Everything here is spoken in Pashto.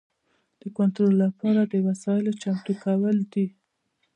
د کنټرول لپاره د وسایلو چمتو کول دي.